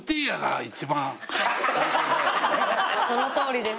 そのとおりです。